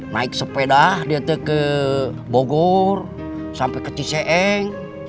naik sepeda dia ke bogor sampai ke ciseeng